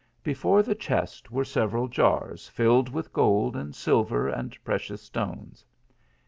Before the chest were several jars filled with gold and silver and precious stones.